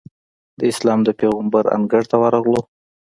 د اسلام د پېغمبر انګړ ته ورغلو.